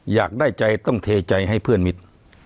อยากได้ใจต้องเทใจให้เพื่อนมิตร